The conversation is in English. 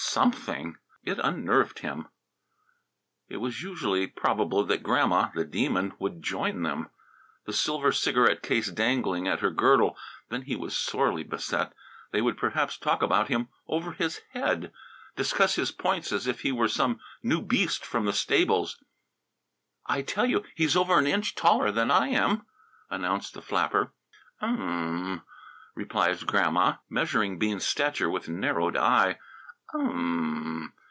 Something! It unnerved him. It was usually probable that Grandma, the Demon, would join them, the silver cigarette case dangling at her girdle. Then was he sorely beset. They would perhaps talk about him over his head, discuss his points as if he were some new beast from the stables. "I tell you, he's over an inch taller than I am," announced the flapper. "U u mm!" replied Grandma, measuring Bean's stature with narrowed eye. "U u mm!"